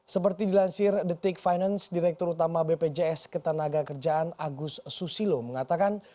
seperti dilansir the tick finance direktur utama bpjs ketenaga kerjaan agus susilo mengatakan